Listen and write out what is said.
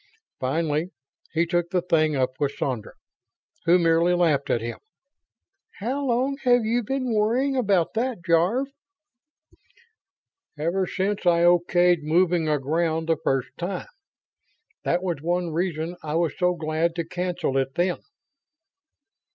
Finally he took the thing up with Sandra, who merely laughed at him. "How long have you been worrying about that, Jarve?" "Ever since I okayed moving aground the first time. That was one reason I was so glad to cancel it then."